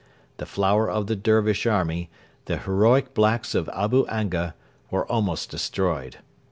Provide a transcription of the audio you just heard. The flower of the Dervish army, the heroic blacks of Abu Anga, were almost destroyed.